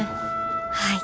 はい。